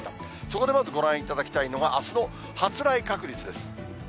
そこでまずご覧いただきたいのが、あすの発雷確率です。